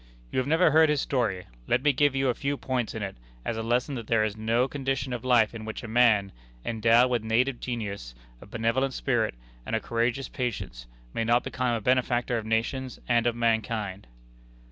You have never heard his story; let me give you a few points in it, as a lesson that there is no condition of life in which a man, endowed with native genius, a benevolent spirit, and a courageous patience, may not become a benefactor of nations and of mankind."